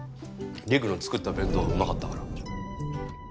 りくの作った弁当がうまかったから。